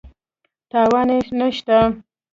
تاوان یې نه شته.